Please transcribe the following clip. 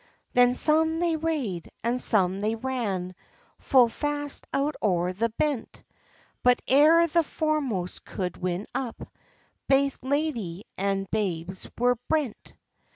Then some they rade, and some they ran, Full fast out o'er the bent; But ere the foremost could win up, Baith ladye and babes were brent.